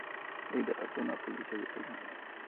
Y derrotó a un policía de paisano.